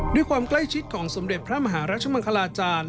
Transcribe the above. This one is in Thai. ด้วยความใกล้ชิดของสมเด็จพระมหารัชมังคลาจารย์